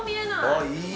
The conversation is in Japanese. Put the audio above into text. あっいい！